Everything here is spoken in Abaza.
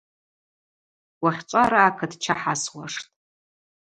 Уахьчӏва араъа кытча хӏасуаштӏ.